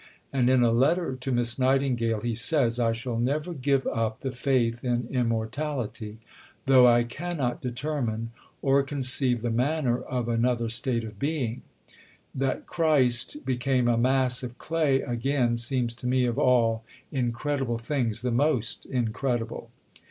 And in a letter to Miss Nightingale he says: "I shall never give up the faith in immortality, though I cannot determine or conceive the manner of another state of being. That Christ became a mass of clay again seems to me of all incredible things the most incredible."